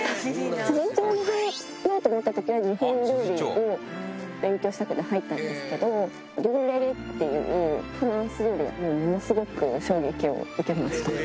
自分でできないと思ったときは、日本料理を勉強したくて入ったんですけど、デュグレレっていうフランス料理にものすごく衝撃を受けました。